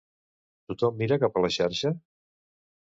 Tothom mira cap a la xarxa?